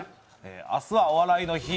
明日は「お笑いの日」